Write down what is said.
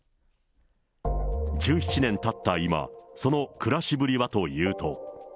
１７年たった今、その暮らしぶりはというと。